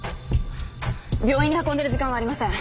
病院に運んでる時間はありません。